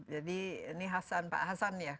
jadi ini hasan ya